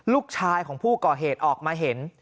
ลูกชายของผู้ก่อเหตุออกมาเห็น